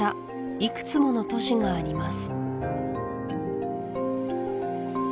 いくつもの都市があります